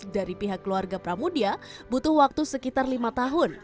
dari pihak keluarga pramudia butuh waktu sekitar lima tahun